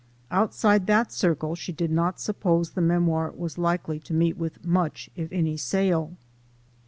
Outside that circle she did not suppose the memoir was likely to meet with much if any sale.